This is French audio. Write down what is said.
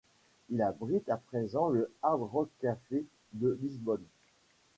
Il abrite à présent le Hard Rock Cafe de Lisbonne.